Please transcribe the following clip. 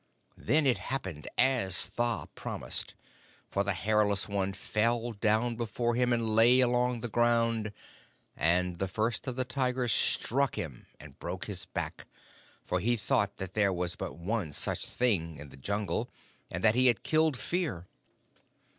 Then it happened as Tha promised, for the Hairless One fell down before him and lay along the ground, and the First of the Tigers struck him and broke his back, for he thought that there was but one such Thing in the Jungle, and that he had killed Fear.